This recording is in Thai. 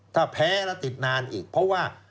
ถ้าแพ้แล้วติดนานอีกเพราะว่า